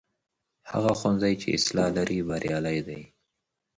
هغه ښوونځی چې اصلاح لري بریالی دی.